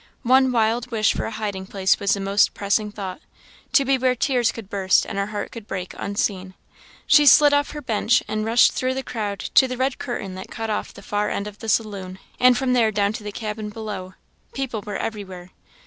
One wild wish for a hiding place was the most pressing thought to be where tears could burst and her heart could break unseen. She slid off her bench and rushed through the crowd to the red curtain that cut off the far end of the saloon; and from there down to the cabin below people were everywhere.